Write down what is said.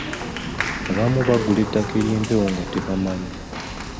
Abamu babagula ettaka ly’empewo nga tebamanyi.